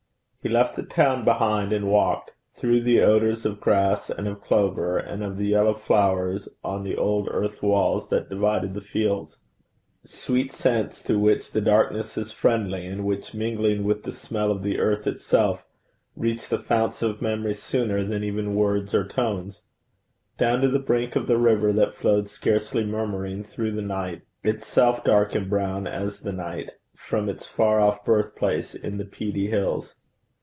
He left the town behind, and walked through the odours of grass and of clover and of the yellow flowers on the old earthwalls that divided the fields sweet scents to which the darkness is friendly, and which, mingling with the smell of the earth itself, reach the founts of memory sooner than even words or tones down to the brink of the river that flowed scarcely murmuring through the night, itself dark and brown as the night from its far off birthplace in the peaty hills.